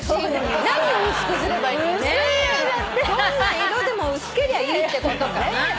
どんな色でも薄けりゃいいってことかな。